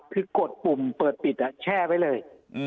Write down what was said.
คือกดปุ่มเปิดปิดแช่ไว้เลย